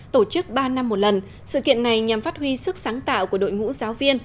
tổ chức ba năm một lần sự kiện này nhằm phát huy sức sáng tạo của đội ngũ giáo viên